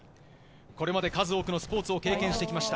これまで数多くのスポーツを経験してきました。